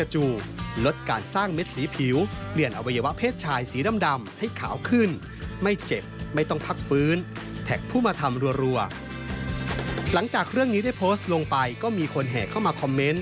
หลังจากเรื่องนี้ได้โพสต์ลงไปก็มีคนแห่เข้ามาคอมเมนต์